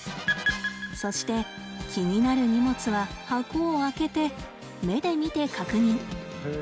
そして気になる荷物は箱を開けて目で見て確認。